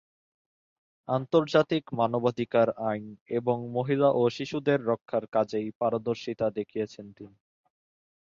আন্তর্জাতিক মানবাধিকার আইন এবং মহিলা ও শিশুদের রক্ষার কাজেই পারদর্শীতা দেখিয়েছেন তিনি।